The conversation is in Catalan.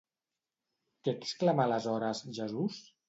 Què exclamà aleshores, Jesús?